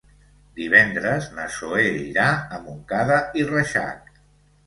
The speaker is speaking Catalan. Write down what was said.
Divendres na Zoè irà a Montcada i Reixac.